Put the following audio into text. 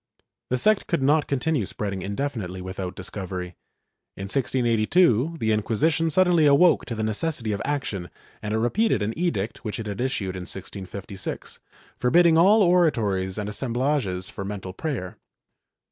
^ The sect could not continue spreading indefinitely without dis covery. In 1682 the Inquisition suddenly awoke to the necessity of action and it repeated an edict which it had issued in 1656, forbidding all oratories and assemblages for mental prayer.